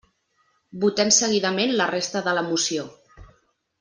Votem seguidament la resta de la moció.